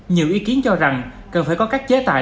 nhiều ý kiến cho rằng cần phải có các chế tài